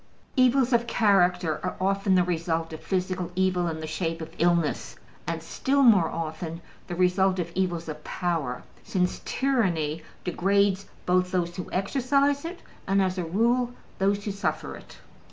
Evils of character are often the result of physical evil in the shape of illness, and still more often the result of evils of power, since tyranny degrades both those who exercise it and (as a rule) those who suffer it.